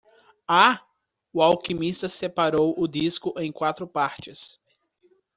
Há? o alquimista separou o disco em quatro partes.